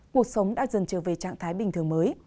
cuộc sống đã dần trở về trạng thái bình thường mới